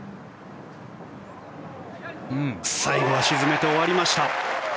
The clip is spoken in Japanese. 最後は沈めて終わりました。